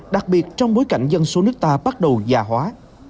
đặc biệt trong bối cảnh dân số nước ta bắt đầu già hóa